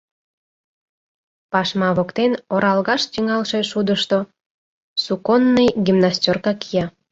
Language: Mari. Пашма воктен, оралгаш тӱҥалше шудышто, суконный гимнастёрка кия.